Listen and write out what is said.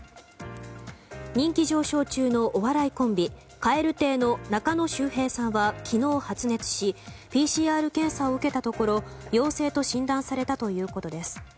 人気上昇中のお笑いコンビ蛙亭の中野周平さんは昨日発熱しＰＣＲ検査を受けたところ陽性と診断されたということです。